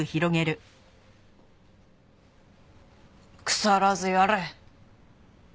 腐らずやれ！